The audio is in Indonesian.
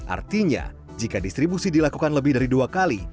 artinya jika distribusi dilakukan lebih dari dua kali